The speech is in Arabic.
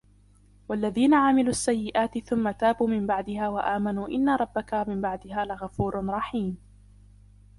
والذين عملوا السيئات ثم تابوا من بعدها وآمنوا إن ربك من بعدها لغفور رحيم